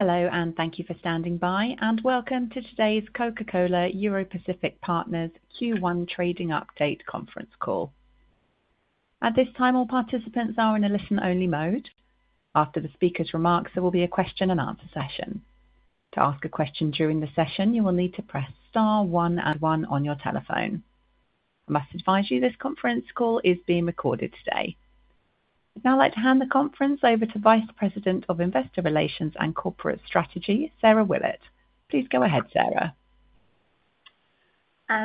Hello, and thank you for standing by, and welcome to today's Coca-Cola Europacific Partners Q1 Trading Update Conference Call. At this time, all participants are in a listen-only mode. After the speaker's remarks, there will be a question-and-answer session. To ask a question during the session, you will need to press star one and one on your telephone. I must advise you this conference call is being recorded today. I'd now like to hand the conference over to VP of Investor Relations and Corporate Strategy, Sarah Willett. Please go ahead, Sarah.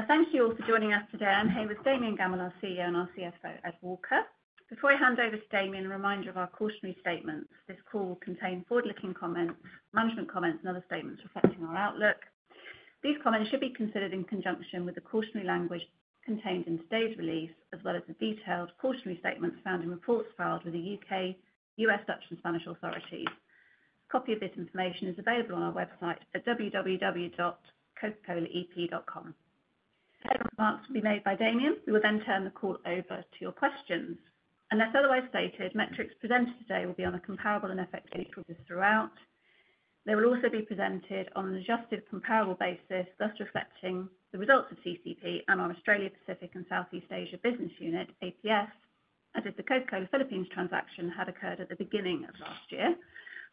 Thank you all for joining us today. I'm here with Damian Gammell, our CEO, and our CFO, Ed Walker. Before I hand over to Damian, a reminder of our cautionary statements. This call will contain forward-looking comments, management comments, and other statements reflecting our outlook. These comments should be considered in conjunction with the cautionary language contained in today's release, as well as the detailed cautionary statements found in reports filed with the U.K., U.S., Dutch, and Spanish authorities. A copy of this information is available on our website at www.cocacolaep.com. The remarks will be made by Damian. We will then turn the call over to your questions. Unless otherwise stated, metrics presented today will be on a comparable and effective basis throughout. They will also be presented on an adjusted comparable basis, thus reflecting the results of CCEP and our Australia Pacific and Southeast Asia Business Unit, APS, as if the Coca-Cola Philippines transaction had occurred at the beginning of last year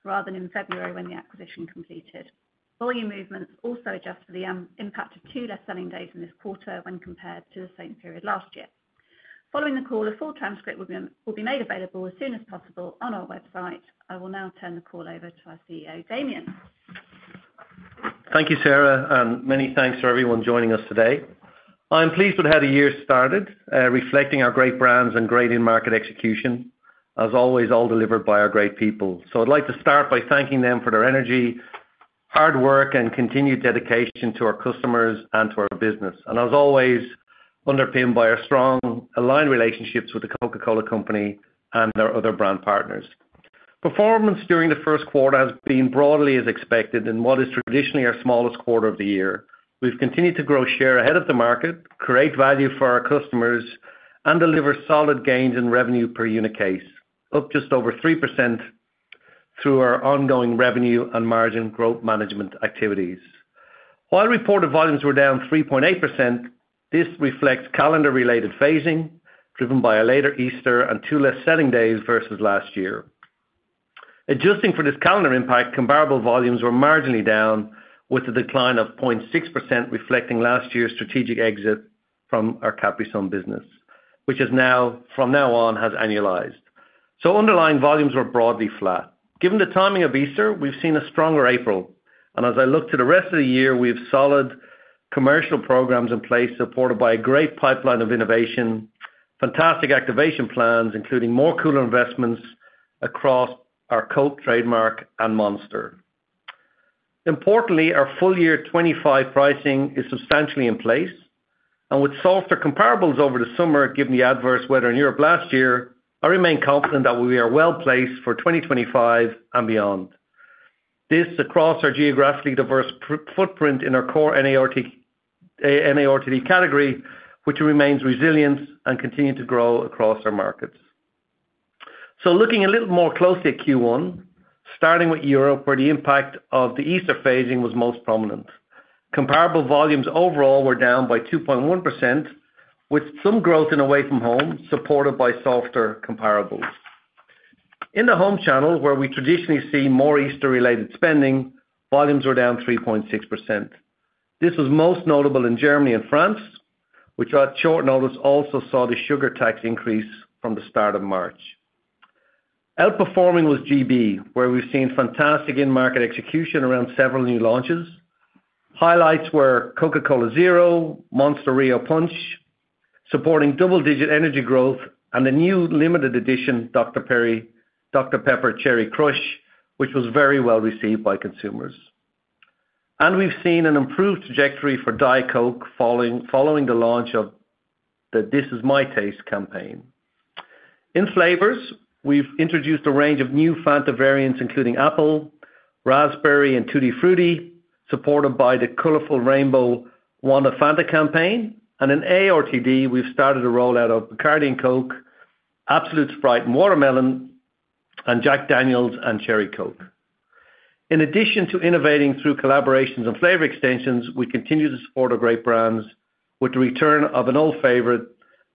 rather than in February when the acquisition completed. Volume movements also adjust for the impact of two less selling days in this quarter when compared to the same period last year. Following the call, a full transcript will be made available as soon as possible on our website. I will now turn the call over to our CEO, Damian. Thank you, Sarah, and many thanks for everyone joining us today. I'm pleased with how the year started, reflecting our great brands and great in-market execution, as always all delivered by our great people. I would like to start by thanking them for their energy, hard work, and continued dedication to our customers and to our business, and as always, underpinned by our strong aligned relationships with the Coca-Cola Company and our other brand partners. Performance during the first quarter has been broadly as expected in what is traditionally our smallest quarter of the year. We have continued to grow share ahead of the market, create value for our customers, and deliver solid gains in revenue per unit case, up just over 3% through our ongoing revenue and margin growth management activities. While reported volumes were down 3.8%, this reflects calendar-related phasing driven by a later Easter and two less selling days versus last year. Adjusting for this calendar impact, comparable volumes were marginally down, with a decline of 0.6% reflecting last year's strategic exit from our Capri Sun business, which from now on has annualized. Underlying volumes were broadly flat. Given the timing of Easter, we've seen a stronger April, and as I look to the rest of the year, we have solid commercial programs in place supported by a great pipeline of innovation, fantastic activation plans, including more cooler investments across our Coke trademark and Monster. Importantly, our full year 2025 pricing is substantially in place, and with softer comparables over the summer, given the adverse weather in Europe last year, I remain confident that we are well placed for 2025 and beyond. This across our geographically diverse footprint in our core NARTD category, which remains resilient and continued to grow across our markets. Looking a little more closely at Q1, starting with Europe, where the impact of the Easter phasing was most prominent. Comparable volumes overall were down by 2.1%, with some growth in away from home supported by softer comparables. In the home channel, where we traditionally see more Easter-related spending, volumes were down 3.6%. This was most notable in Germany and France, which at short notice also saw the sugar tax increase from the start of March. Outperforming was GB, where we've seen fantastic in-market execution around several new launches. Highlights were Coca-Cola Zero, Monster Rio Punch, supporting double-digit energy growth, and the new limited edition Dr Pepper Cherry Crush, which was very well received by consumers. We have seen an improved trajectory for Diet Coke following the launch of the This Is My Taste campaign. In flavors, we have introduced a range of new Fanta variants, including Apple, Raspberry, and Tutti Frutti, supported by the colorful rainbow Wanta Fanta campaign. In ARTD, we have started a rollout of Bacardi and Coke, Absolut Sprite Watermelon, and Jack Daniel's and Cherry Coke. In addition to innovating through collaborations and flavor extensions, we continue to support our great brands with the return of an old favorite,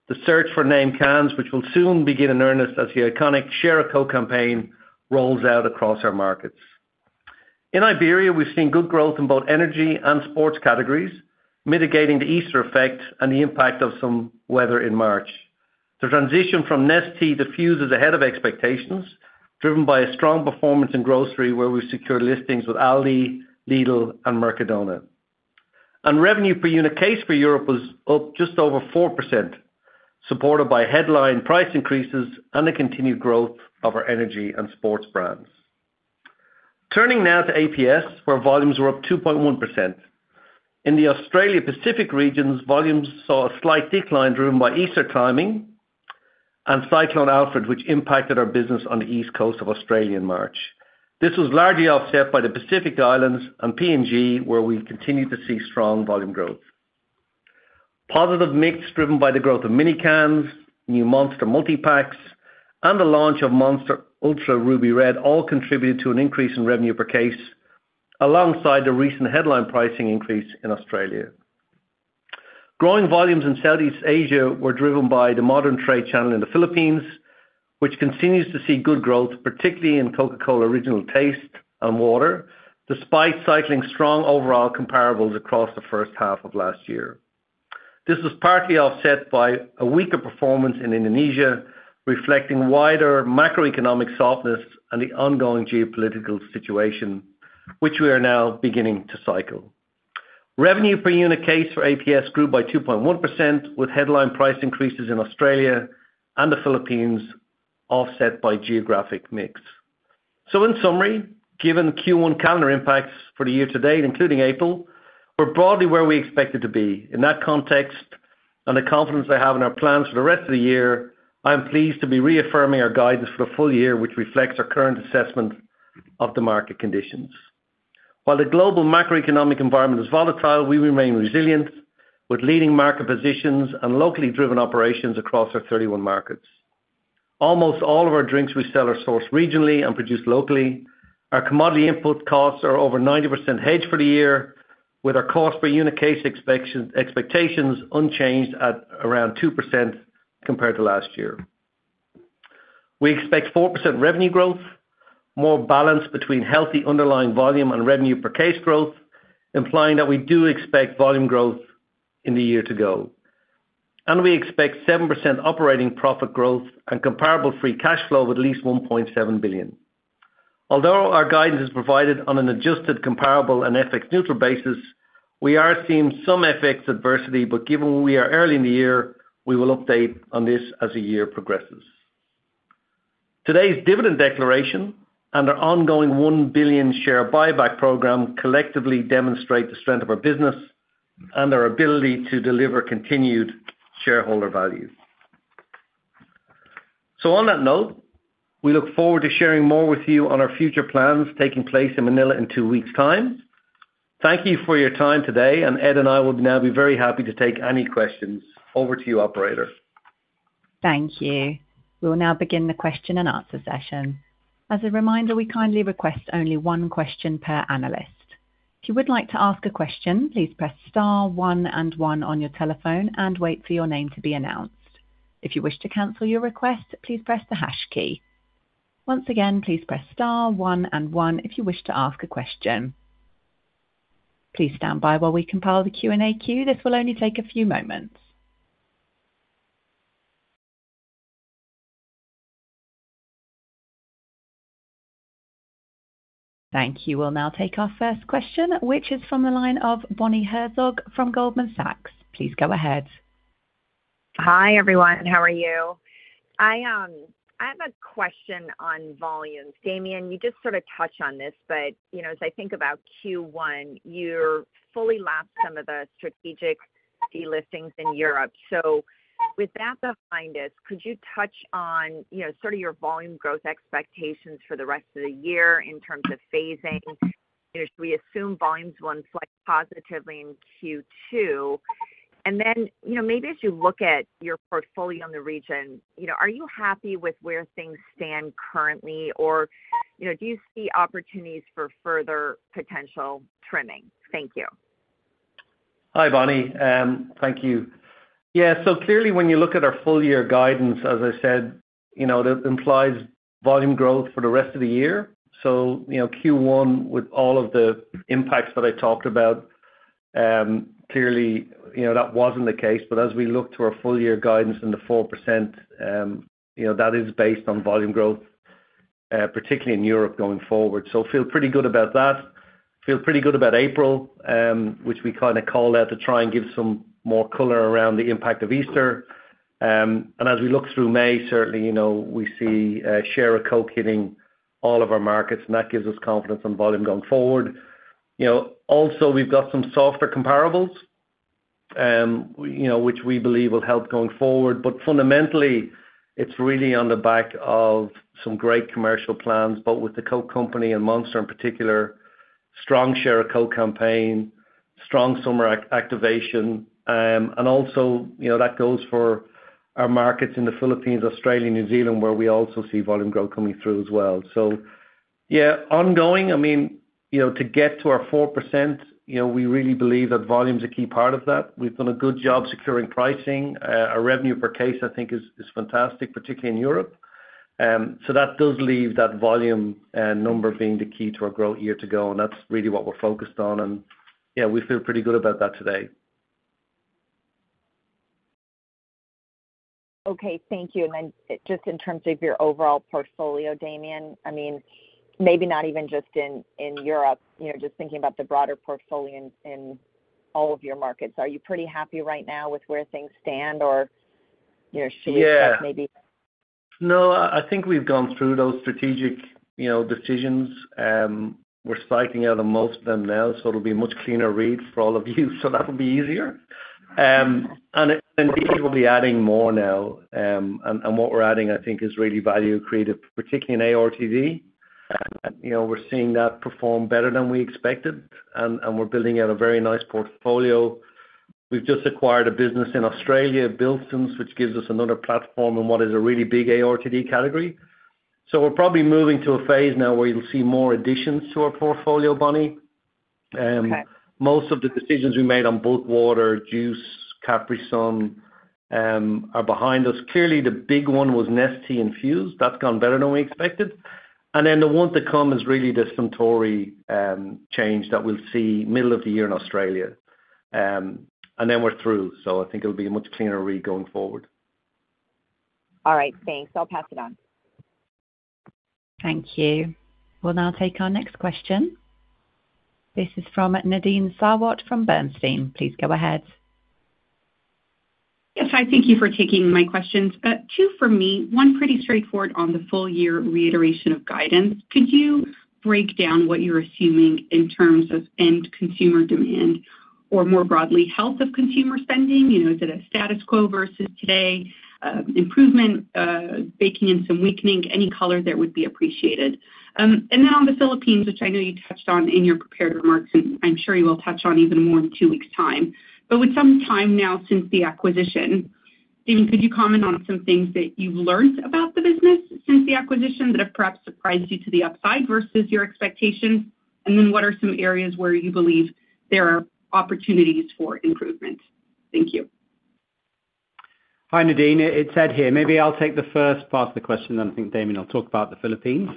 the search for name cans, which will soon begin in earnest as the iconic Share a Coke campaign rolls out across our markets. In Iberia, we have seen good growth in both energy and sports categories, mitigating the Easter effect and the impact of some weather in March. The transition from Nestea to Fuze is ahead of expectations, driven by a strong performance in grocery, where we've secured listings with Aldi, Lidl, and Mercadona. Revenue per unit case for Europe was up just over 4%, supported by headline price increases and the continued growth of our energy and sports brands. Turning now to APS, where volumes were up 2.1%. In the Australia Pacific regions, volumes saw a slight decline driven by Easter timing and Cyclone Alfred, which impacted our business on the East Coast of Australia in March. This was largely offset by the Pacific Islands and PNG, where we continued to see strong volume growth. Positive mix driven by the growth of mini cans, new Monster multipacks, and the launch of Monster Ultra Ruby Red all contributed to an increase in revenue per case alongside the recent headline pricing increase in Australia. Growing volumes in Southeast Asia were driven by the modern trade channel in the Philippines, which continues to see good growth, particularly in Coca-Cola Original Taste and Water, despite cycling strong overall comparables across the first half of last year. This was partly offset by a weaker performance in Indonesia, reflecting wider macroeconomic softness and the ongoing geopolitical situation, which we are now beginning to cycle. Revenue per unit case for APS grew by 2.1%, with headline price increases in Australia and the Philippines offset by geographic mix. In summary, given Q1 calendar impacts for the year to date, including April, we're broadly where we expected to be. In that context, and the confidence I have in our plans for the rest of the year, I'm pleased to be reaffirming our guidance for the full year, which reflects our current assessment of the market conditions. While the global macroeconomic environment is volatile, we remain resilient with leading market positions and locally driven operations across our 31 markets. Almost all of our drinks we sell are sourced regionally and produced locally. Our commodity input costs are over 90% hedged for the year, with our cost per unit case expectations unchanged at around 2% compared to last year. We expect 4% revenue growth, more balance between healthy underlying volume and revenue per case growth, implying that we do expect volume growth in the year to go. We expect 7% operating profit growth and comparable free cash flow of at least 1.7 billion. Although our guidance is provided on an adjusted comparable and FX neutral basis, we are seeing some FX adversity, but given we are early in the year, we will update on this as the year progresses. Today's dividend declaration and our ongoing $1 billion share buyback program collectively demonstrate the strength of our business and our ability to deliver continued shareholder value. On that note, we look forward to sharing more with you on our future plans taking place in Manila in two weeks' time. Thank you for your time today, and Ed and I will now be very happy to take any questions over to you, Operator. Thank you. We will now begin the question and answer session. As a reminder, we kindly request only one question per analyst. If you would like to ask a question, please press star one and one on your telephone and wait for your name to be announced. If you wish to cancel your request, please press the hash key. Once again, please press star one and one if you wish to ask a question. Please stand by while we compile the Q&A queue. This will only take a few moments. Thank you. We'll now take our first question, which is from the line of Bonnie Herzog from Goldman Sachs. Please go ahead. Hi everyone. How are you? I have a question on volumes. Damian, you just sort of touched on this, but as I think about Q1, you fully lapsed some of the strategic delistings in Europe. With that behind us, could you touch on sort of your volume growth expectations for the rest of the year in terms of phasing? Should we assume volumes will inflate positively in Q2? Maybe as you look at your portfolio in the region, are you happy with where things stand currently, or do you see opportunities for further potential trimming? Thank you. Hi, Bonnie. Thank you. Yeah, clearly when you look at our full year guidance, as I said, that implies volume growth for the rest of the year. Q1, with all of the impacts that I talked about, clearly that was not the case. As we look to our full year guidance in the 4%, that is based on volume growth, particularly in Europe going forward. Feel pretty good about that. Feel pretty good about April, which we kind of call out to try and give some more color around the impact of Easter. As we look through May, certainly we see Share a Coke hitting all of our markets, and that gives us confidence on volume going forward. Also, we have got some softer comparables, which we believe will help going forward. Fundamentally, it's really on the back of some great commercial plans, but with the Coke Company and Monster in particular, strong Share a Coke campaign, strong summer activation, and also that goes for our markets in the Philippines, Australia, New Zealand, where we also see volume growth coming through as well. Yeah, ongoing. I mean, to get to our 4%, we really believe that volume is a key part of that. We've done a good job securing pricing. Our revenue per case, I think, is fantastic, particularly in Europe. That does leave that volume number being the key to our growth year to go, and that's really what we're focused on. Yeah, we feel pretty good about that today. Okay, thank you. Just in terms of your overall portfolio, Damian, I mean, maybe not even just in Europe, just thinking about the broader portfolio in all of your markets, are you pretty happy right now with where things stand, or should we check maybe? Yeah. No, I think we've gone through those strategic decisions. We're spiking out of most of them now, so it'll be a much cleaner read for all of you, so that'll be easier. Indeed, we'll be adding more now. What we're adding, I think, is really value creative, particularly in ARTD. We're seeing that perform better than we expected, and we're building out a very nice portfolio. We've just acquired a business in Australia, Billson's, which gives us another platform in what is a really big ARTD category. We're probably moving to a phase now where you'll see more additions to our portfolio, Bonnie. Most of the decisions we made on Bulk Water, Juice, Capri Sun are behind us. Clearly, the big one was Nestea and Fuze. That's gone better than we expected. The one to come is really the Suntory change that we'll see middle of the year in Australia. Then we're through. I think it'll be a much cleaner read going forward. All right, thanks. I'll pass it on. Thank you. We'll now take our next question. This is from Nadine Sarwat from Bernstein. Please go ahead. Yes, hi. Thank you for taking my questions. Two for me. One pretty straightforward on the full year reiteration of guidance. Could you break down what you're assuming in terms of end consumer demand, or more broadly, health of consumer spending? Is it a status quo versus today? Improvement, baking in some weakening? Any color there would be appreciated. On the Philippines, which I know you touched on in your prepared remarks, and I'm sure you will touch on even more in two weeks' time. With some time now since the acquisition, Damian, could you comment on some things that you've learned about the business since the acquisition that have perhaps surprised you to the upside versus your expectations? What are some areas where you believe there are opportunities for improvement? Thank you. Hi, Nadine. It's Ed here. Maybe I'll take the first part of the question, and I think Damian will talk about the Philippines.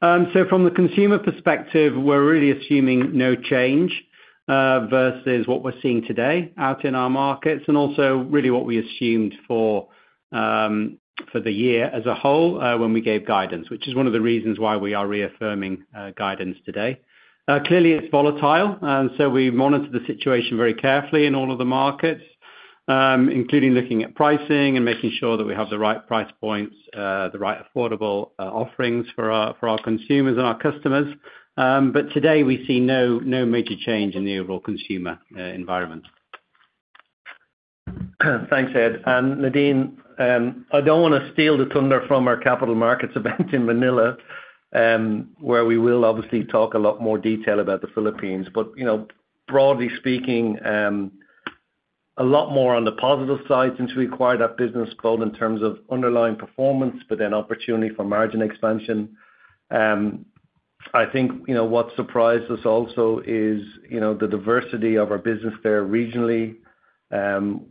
From the consumer perspective, we're really assuming no change versus what we're seeing today out in our markets, and also really what we assumed for the year as a whole when we gave guidance, which is one of the reasons why we are reaffirming guidance today. Clearly, it's volatile, and we monitor the situation very carefully in all of the markets, including looking at pricing and making sure that we have the right price points, the right affordable offerings for our consumers and our customers. Today, we see no major change in the overall consumer environment. Thanks, Ed. Nadine, I do not want to steal the thunder from our capital markets event in Manila, where we will obviously talk a lot more detail about the Philippines. Broadly speaking, a lot more on the positive side since we acquired that business in terms of underlying performance, but then opportunity for margin expansion. I think what surprised us also is the diversity of our business there regionally.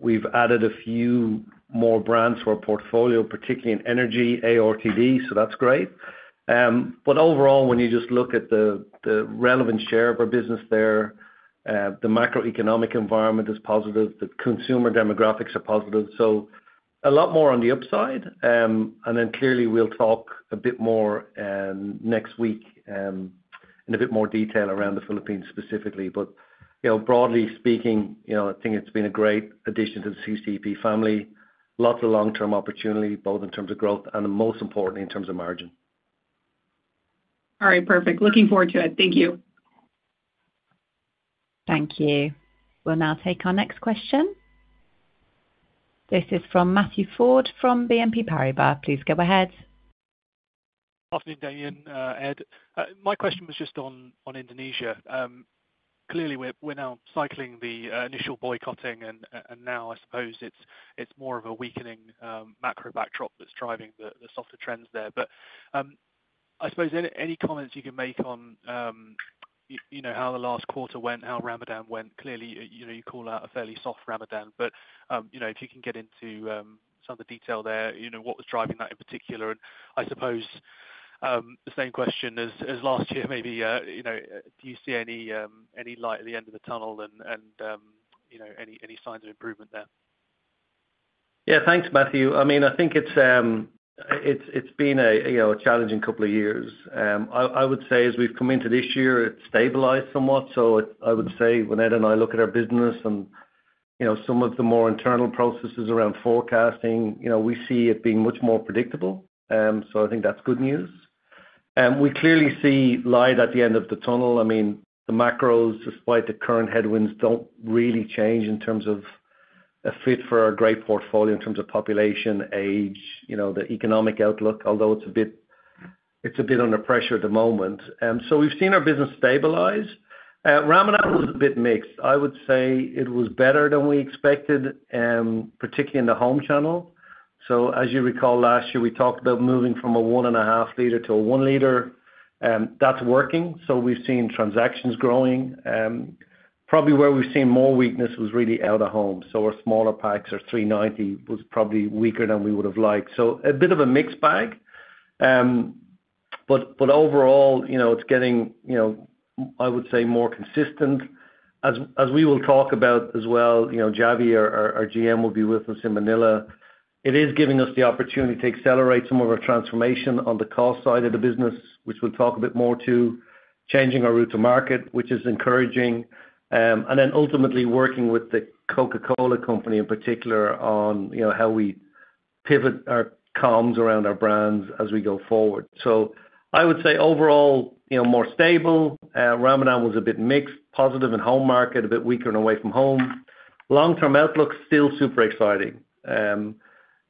We have added a few more brands to our portfolio, particularly in energy, ARTD, so that is great. Overall, when you just look at the relevant share of our business there, the macroeconomic environment is positive. The consumer demographics are positive. A lot more on the upside. Clearly, we will talk a bit more next week in a bit more detail around the Philippines specifically. Broadly speaking, I think it has been a great addition to the CCEP family. Lots of long-term opportunity, both in terms of growth and the most important in terms of margin. All right, perfect. Looking forward to it. Thank you. Thank you. We'll now take our next question. This is from Matthew Ford from BNP Paribas. Please go ahead. Afternoon, Damian, Ed. My question was just on Indonesia. Clearly, we're now cycling the initial boycotting, and now I suppose it's more of a weakening macro backdrop that's driving the softer trends there. I suppose any comments you can make on how the last quarter went, how Ramadan went, clearly you call out a fairly soft Ramadan. If you can get into some of the detail there, what was driving that in particular? I suppose the same question as last year, maybe. Do you see any light at the end of the tunnel and any signs of improvement there? Yeah, thanks, Matthew. I mean, I think it's been a challenging couple of years. I would say as we've come into this year, it's stabilized somewhat. I would say when Ed and I look at our business and some of the more internal processes around forecasting, we see it being much more predictable. I think that's good news. We clearly see light at the end of the tunnel. I mean, the macros, despite the current headwinds, don't really change in terms of a fit for our great portfolio in terms of population, age, the economic outlook, although it's a bit under pressure at the moment. We've seen our business stabilize. Ramadan was a bit mixed. I would say it was better than we expected, particularly in the home channel. As you recall, last year we talked about moving from a one and a half liter to a one liter. That is working. We have seen transactions growing. Probably where we have seen more weakness was really out of home. Our smaller packs, our 390, was probably weaker than we would have liked. A bit of a mixed bag. Overall, it is getting, I would say, more consistent. As we will talk about as well, Javier, our GM, will be with us in Manila. It is giving us the opportunity to accelerate some of our transformation on the cost side of the business, which we will talk a bit more to, changing our route to market, which is encouraging. Ultimately, working with the Coca-Cola Company in particular on how we pivot our comms around our brands as we go forward. I would say overall, more stable. Ramadan was a bit mixed, positive in home market, a bit weaker in away from home. Long-term outlook still super exciting.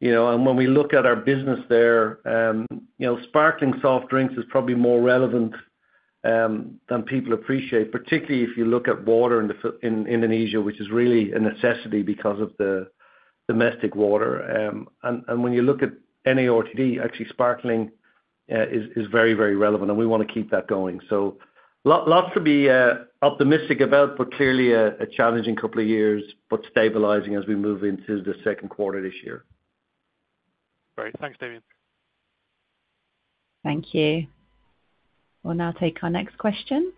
When we look at our business there, sparkling soft drinks is probably more relevant than people appreciate, particularly if you look at water in Indonesia, which is really a necessity because of the domestic water. When you look at NARTD, actually sparkling is very, very relevant, and we want to keep that going. Lots to be optimistic about, but clearly a challenging couple of years, but stabilizing as we move into the second quarter this year. Great. Thanks, Damian. Thank you. We'll now take our next question.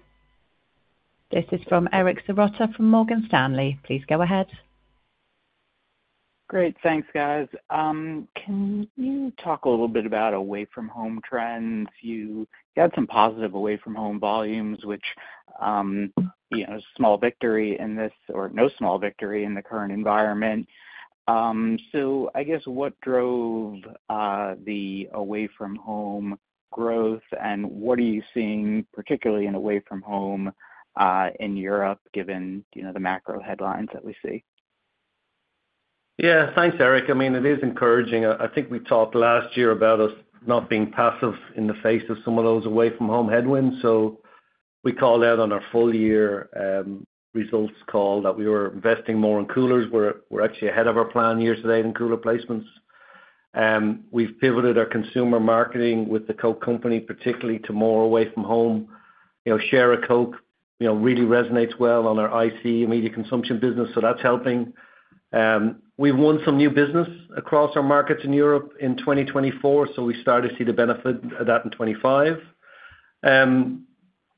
This is from Eric Serotta from Morgan Stanley. Please go ahead. Great. Thanks, guys. Can you talk a little bit about away from home trends? You had some positive away from home volumes, which is a small victory in this, or no small victory in the current environment. I guess what drove the away from home growth, and what are you seeing, particularly in away from home in Europe, given the macro headlines that we see? Yeah, thanks, Eric. I mean, it is encouraging. I think we talked last year about us not being passive in the face of some of those away from home headwinds. We called out on our full year results call that we were investing more in coolers. We're actually ahead of our plan year to date in cooler placements. We've pivoted our consumer marketing with the Coke Company, particularly to more away from home. Share a Coke really resonates well on our IC, immediate consumption business, so that's helping. We've won some new business across our markets in Europe in 2024, so we started to see the benefit of that in 2025.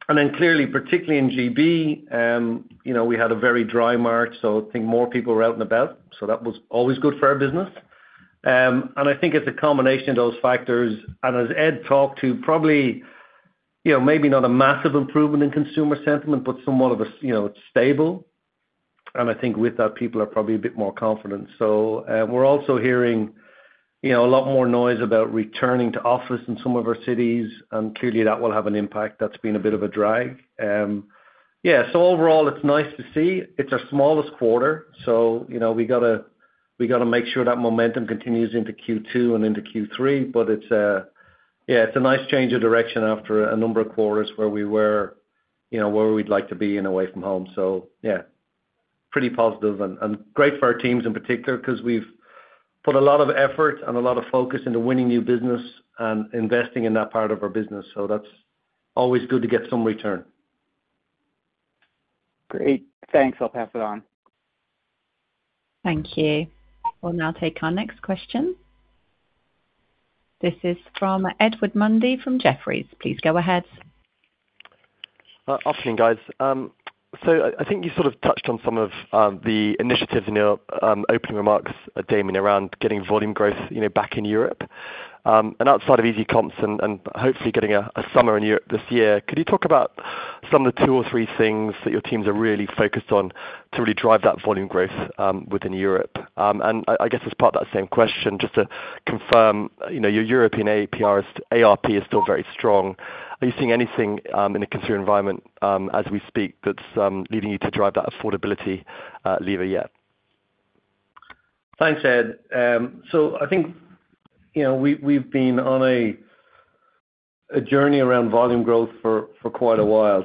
Clearly, particularly in GB, we had a very dry March, so I think more people were out and about. That was always good for our business. I think it's a combination of those factors. As Ed talked to, probably maybe not a massive improvement in consumer sentiment, but somewhat of a stable. I think with that, people are probably a bit more confident. We are also hearing a lot more noise about returning to office in some of our cities, and clearly that will have an impact. That has been a bit of a drag. Yeah, overall, it is nice to see. It is our smallest quarter, so we have to make sure that momentum continues into Q2 and into Q3. Yeah, it is a nice change of direction after a number of quarters where we were where we would like to be in away from home. Yeah, pretty positive and great for our teams in particular because we have put a lot of effort and a lot of focus into winning new business and investing in that part of our business. That's always good to get some return. Great. Thanks. I'll pass it on. Thank you. We'll now take our next question. This is from Edward Mundy from Jefferies. Please go ahead. Afternoon, guys. I think you sort of touched on some of the initiatives in your opening remarks, Damian, around getting volume growth back in Europe. Outside of EasyComps and hopefully getting a summer in Europe this year, could you talk about some of the two or three things that your teams are really focused on to really drive that volume growth within Europe? I guess as part of that same question, just to confirm, your European ARP is still very strong. Are you seeing anything in the consumer environment as we speak that's leading you to drive that affordability lever yet? Thanks, Ed. I think we've been on a journey around volume growth for quite a while.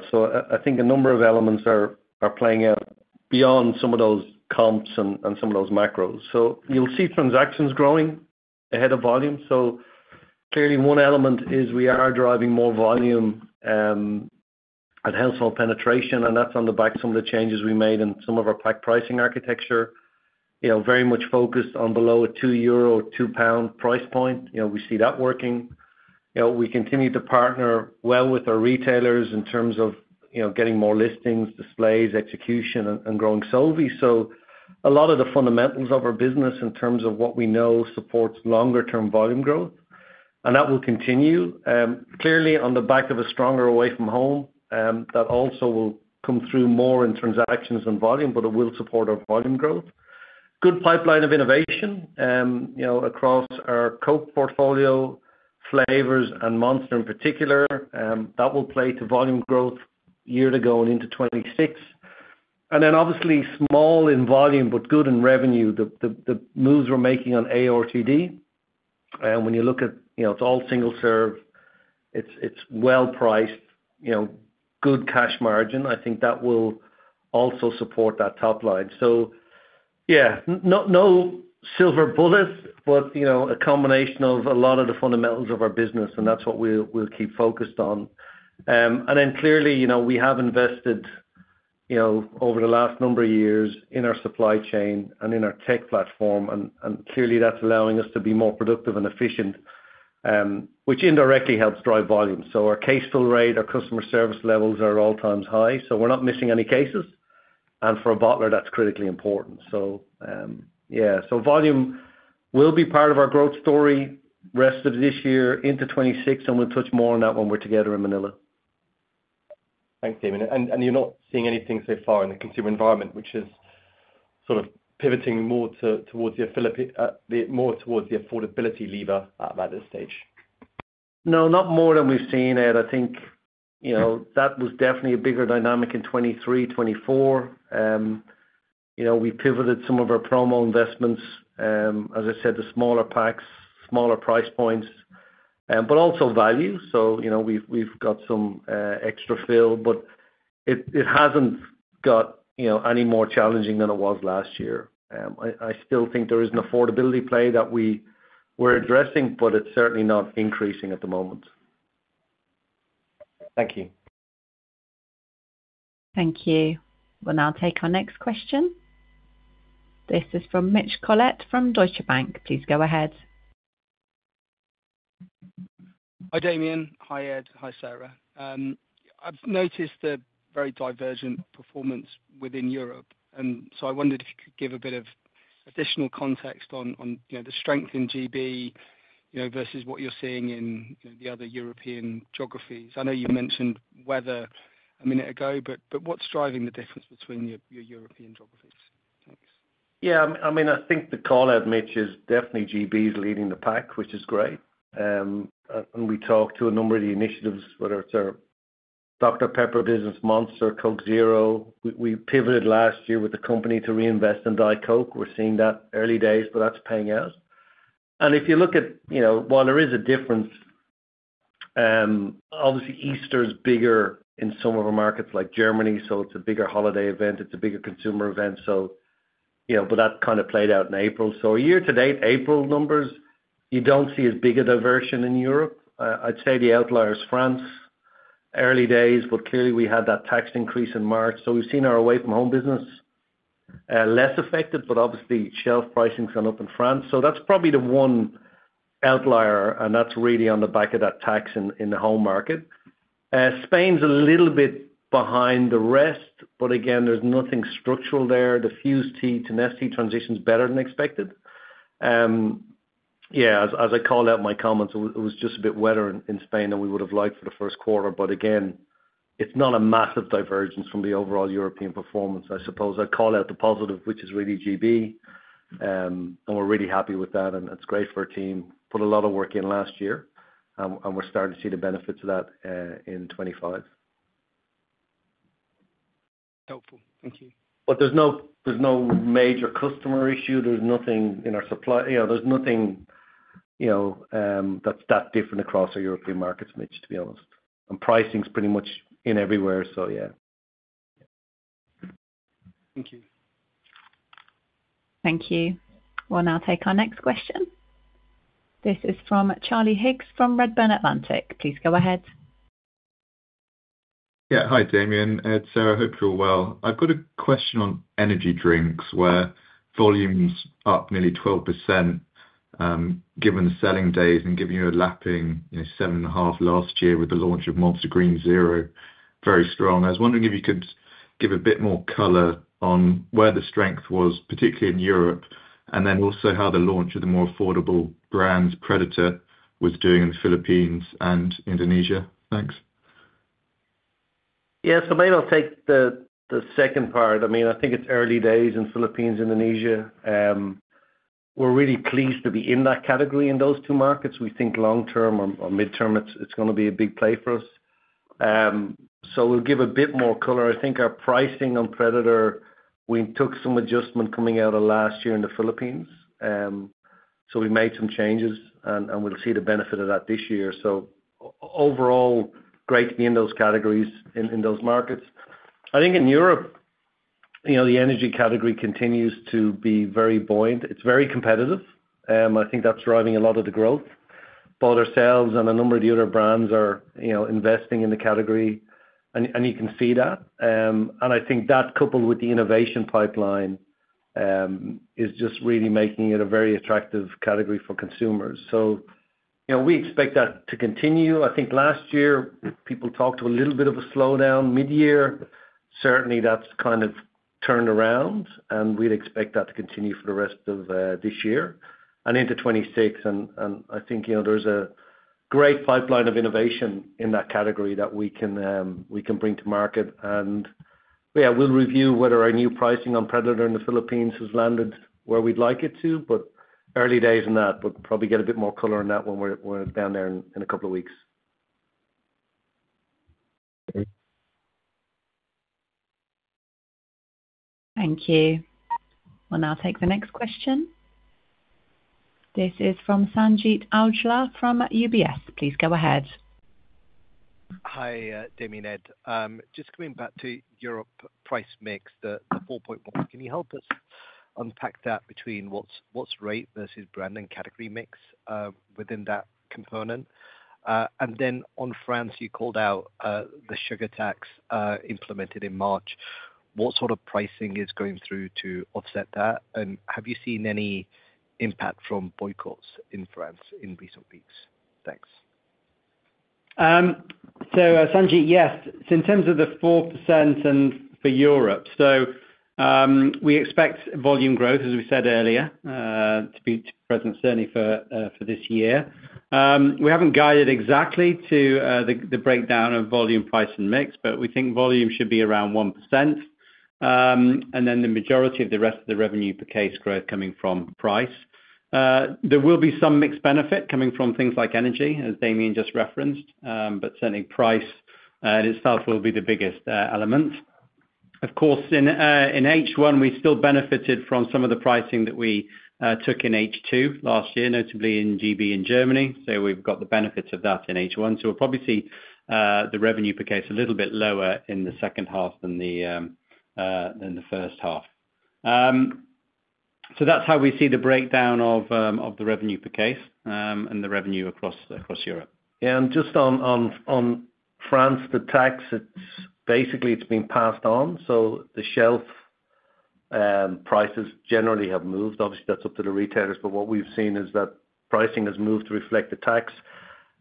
I think a number of elements are playing out beyond some of those comps and some of those macros. You'll see transactions growing ahead of volume. Clearly, one element is we are driving more volume and household penetration, and that's on the back of some of the changes we made in some of our pack pricing architecture. Very much focused on below 2 euro, 2 pound price point. We see that working. We continue to partner well with our retailers in terms of getting more listings, displays, execution, and growing Solvy. A lot of the fundamentals of our business in terms of what we know supports longer-term volume growth, and that will continue. Clearly, on the back of a stronger away from home, that also will come through more in transactions and volume, but it will support our volume growth. Good pipeline of innovation across our Coke portfolio, flavors, and Monster in particular. That will play to volume growth year to go and into 2026. Obviously small in volume, but good in revenue. The moves we're making on ARTD, when you look at it, it's all single serve, it's well priced, good cash margin. I think that will also support that top line. No silver bullets, but a combination of a lot of the fundamentals of our business, and that's what we'll keep focused on. Clearly, we have invested over the last number of years in our supply chain and in our tech platform, and clearly that's allowing us to be more productive and efficient, which indirectly helps drive volume. Our case fill rate, our customer service levels are all times high, so we're not missing any cases. For a bottler, that's critically important. Yeah, volume will be part of our growth story rest of this year into 2026, and we'll touch more on that when we're together in Manila. Thanks, Damian. You are not seeing anything so far in the consumer environment, which is sort of pivoting more towards the affordability lever at this stage? No, not more than we've seen, Ed. I think that was definitely a bigger dynamic in 2023, 2024. We pivoted some of our promo investments, as I said, the smaller packs, smaller price points, but also value. We have got some extra fill, but it has not got any more challenging than it was last year. I still think there is an affordability play that we are addressing, but it is certainly not increasing at the moment. Thank you. Thank you. We'll now take our next question. This is from Mitch Collett from Deutsche Bank. Please go ahead. Hi, Damian. Hi, Ed. Hi, Sarah. I've noticed a very divergent performance within Europe. I wondered if you could give a bit of additional context on the strength in GB versus what you're seeing in the other European geographies. I know you mentioned weather a minute ago, but what's driving the difference between your European geographies? Thanks. Yeah. I mean, I think the call out, Mitch, is definitely GB is leading the pack, which is great. We talked to a number of the initiatives, whether it's our Dr. Pepper business, Monster, Coke Zero. We pivoted last year with the company to reinvest in Diet Coke. We're seeing that early days, but that's paying out. If you look at while there is a difference, obviously Easter is bigger in some of our markets like Germany, so it's a bigger holiday event. It's a bigger consumer event. That kind of played out in April. Year to date, April numbers, you don't see as big a diversion in Europe. I'd say the outlier is France, early days, but clearly we had that tax increase in March. We've seen our away from home business less affected, but obviously shelf pricing's gone up in France. That's probably the one outlier, and that's really on the back of that tax in the home market. Spain's a little bit behind the rest, but again, there's nothing structural there. The Fuze tea to Nestea transition is better than expected. Yeah, as I call out in my comments, it was just a bit wetter in Spain than we would have liked for the first quarter. Again, it's not a massive divergence from the overall European performance, I suppose. I call out the positive, which is really GB, and we're really happy with that, and it's great for our team. Put a lot of work in last year, and we're starting to see the benefits of that in 2025. Helpful. Thank you. There is no major customer issue. There is nothing in our supply. There is nothing that is that different across our European markets, Mitch, to be honest. Pricing is pretty much in everywhere, so yeah. Thank you. Thank you. We'll now take our next question. This is from Charlie Higgs from Redburn Atlantic. Please go ahead. Yeah. Hi, Damian. Ed, Sarah, hope you're well. I've got a question on energy drinks where volume's up nearly 12% given the selling days and given your lapping 7.5 last year with the launch of Monster Green Zero. Very strong. I was wondering if you could give a bit more color on where the strength was, particularly in Europe, and then also how the launch of the more affordable brands, Predator, was doing in the Philippines and Indonesia. Thanks. Yeah. Maybe I'll take the second part. I mean, I think it's early days in Philippines, Indonesia. We're really pleased to be in that category in those two markets. We think long-term or midterm, it's going to be a big play for us. We'll give a bit more color. I think our pricing on Predator, we took some adjustment coming out of last year in the Philippines. We made some changes, and we'll see the benefit of that this year. Overall, great to be in those categories in those markets. I think in Europe, the energy category continues to be very buoyant. It's very competitive. I think that's driving a lot of the growth. Ourselves and a number of the other brands are investing in the category, and you can see that. I think that coupled with the innovation pipeline is just really making it a very attractive category for consumers. We expect that to continue. I think last year, people talked to a little bit of a slowdown mid-year. Certainly, that's kind of turned around, and we'd expect that to continue for the rest of this year and into 2026. I think there's a great pipeline of innovation in that category that we can bring to market. Yeah, we'll review whether our new pricing on Predator in the Philippines has landed where we'd like it to, but early days in that, but probably get a bit more color on that when we're down there in a couple of weeks. Thank you. We'll now take the next question. This is from Sanjeet Aujla from UBS. Please go ahead. Hi, Damian, Ed. Just coming back to Europe price mix, the 4.1, can you help us unpack that between what's rate versus brand and category mix within that component? On France, you called out the sugar tax implemented in March. What sort of pricing is going through to offset that? Have you seen any impact from boycotts in France in recent weeks? Thanks. Sanjeet, yes. In terms of the 4% for Europe, we expect volume growth, as we said earlier, to be present certainly for this year. We have not guided exactly to the breakdown of volume, price, and mix, but we think volume should be around 1%. The majority of the rest of the revenue per case growth is coming from price. There will be some mix benefit coming from things like energy, as Damian just referenced, but certainly price itself will be the biggest element. Of course, in H1, we still benefited from some of the pricing that we took in H2 last year, notably in GB and Germany. We have the benefits of that in H1. We will probably see the revenue per case a little bit lower in the second half than the first half. That's how we see the breakdown of the revenue per case and the revenue across Europe. Yeah. Just on France, the tax, it's basically been passed on. The shelf prices generally have moved. Obviously, that's up to the retailers, but what we've seen is that pricing has moved to reflect the tax.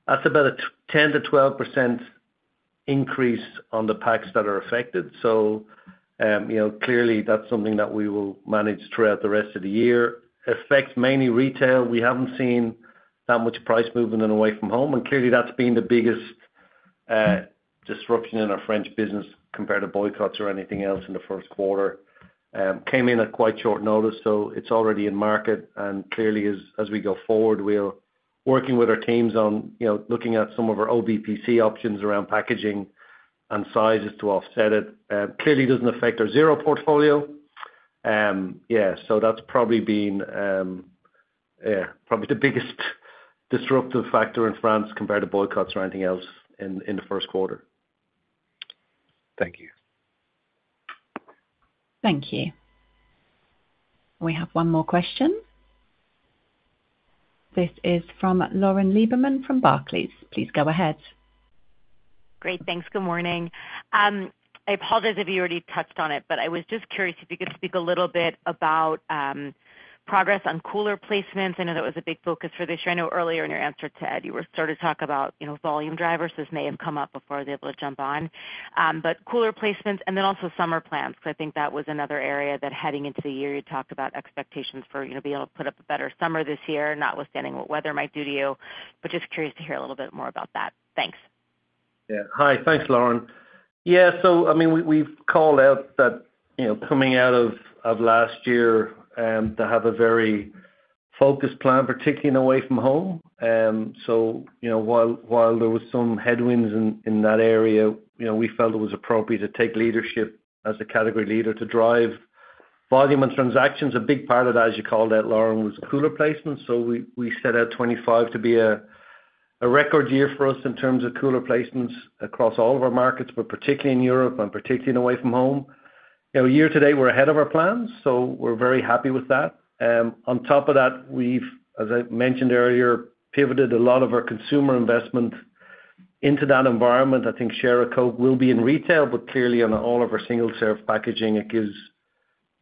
That's about a 10%-12% increase on the packs that are affected. Clearly, that's something that we will manage throughout the rest of the year. Affects mainly retail. We haven't seen that much price movement in away from home. Clearly, that's been the biggest disruption in our French business compared to boycotts or anything else in the first quarter. Came in at quite short notice, so it's already in market. Clearly, as we go forward, we're working with our teams on looking at some of our OBPC options around packaging and sizes to offset it. Clearly, it doesn't affect our zero portfolio. Yeah. That's probably been, yeah, probably the biggest disruptive factor in France compared to boycotts or anything else in the first quarter. Thank you. Thank you. We have one more question. This is from Lauren Lieberman from Barclays. Please go ahead. Great. Thanks. Good morning. I apologize if you already touched on it, but I was just curious if you could speak a little bit about progress on cooler placements. I know that was a big focus for this year. I know earlier in your answer to Ed, you were starting to talk about volume drivers. This may have come up before I was able to jump on. Cooler placements and then also summer plans because I think that was another area that heading into the year you talked about expectations for being able to put up a better summer this year, notwithstanding what weather might do to you. Just curious to hear a little bit more about that. Thanks. Yeah. Hi. Thanks, Lauren. Yeah. I mean, we've called out that coming out of last year to have a very focused plan, particularly in away from home. While there were some headwinds in that area, we felt it was appropriate to take leadership as a category leader to drive volume and transactions. A big part of that, as you called out, Lauren, was cooler placements. We set out 2025 to be a record year for us in terms of cooler placements across all of our markets, but particularly in Europe and particularly in away from home. Year to date, we're ahead of our plans, so we're very happy with that. On top of that, we've, as I mentioned earlier, pivoted a lot of our consumer investment into that environment. I think Share a Coke will be in retail, but clearly on all of our single serve packaging, it gives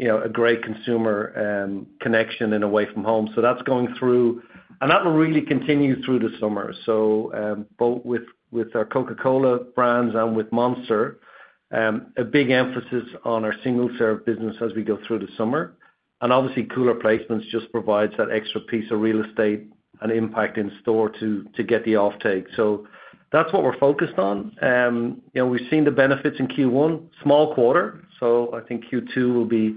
a great consumer connection in away from home. That is going through, and that will really continue through the summer. Both with our Coca-Cola brands and with Monster, a big emphasis on our single serve business as we go through the summer. Obviously, cooler placements just provide that extra piece of real estate and impact in store to get the offtake. That is what we are focused on. We have seen the benefits in Q1, small quarter. I think Q2 will be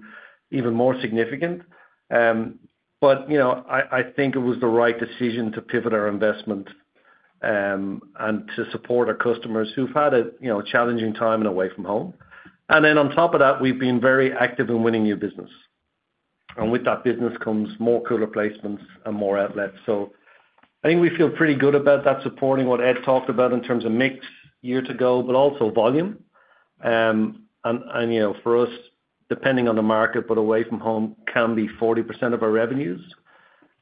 even more significant. I think it was the right decision to pivot our investment and to support our customers who have had a challenging time in away from home. On top of that, we have been very active in winning new business. With that business comes more cooler placements and more outlets. I think we feel pretty good about that, supporting what Ed talked about in terms of mix years ago, but also volume. For us, depending on the market, away from home can be 40% of our revenues.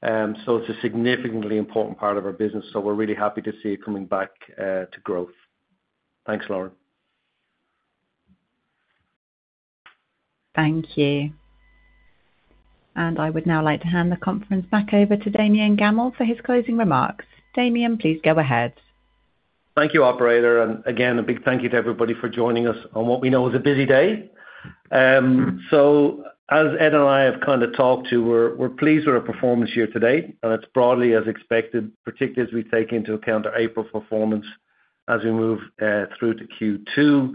It is a significantly important part of our business. We are really happy to see it coming back to growth. Thanks, Lauren. Thank you. I would now like to hand the conference back over to Damian Gammell for his closing remarks. Damian, please go ahead. Thank you, Operator. Again, a big thank you to everybody for joining us on what we know is a busy day. As Ed and I have kind of talked to, we're pleased with our performance year to date. It's broadly as expected, particularly as we take into account our April performance as we move through to Q2.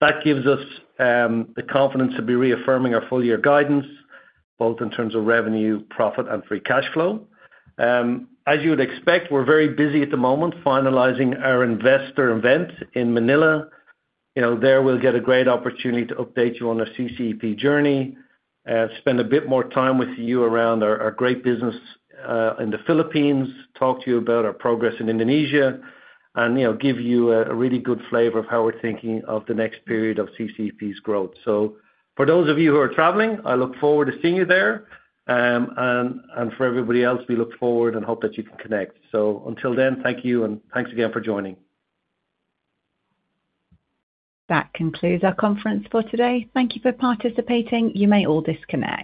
That gives us the confidence to be reaffirming our full-year guidance, both in terms of revenue, profit, and free cash flow. As you would expect, we're very busy at the moment finalizing our investor event in Manila. There we'll get a great opportunity to update you on our CCEP journey, spend a bit more time with you around our great business in the Philippines, talk to you about our progress in Indonesia, and give you a really good flavor of how we're thinking of the next period of CCEP's growth. For those of you who are traveling, I look forward to seeing you there. For everybody else, we look forward and hope that you can connect. Until then, thank you, and thanks again for joining. That concludes our conference for today. Thank you for participating. You may all disconnect.